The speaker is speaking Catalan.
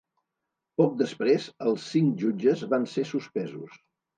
Poc després, els cinc jutges van ser suspesos.